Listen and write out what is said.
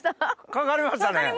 かかりました！